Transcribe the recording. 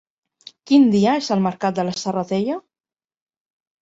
Quin dia és el mercat de la Serratella?